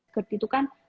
gerd itu kan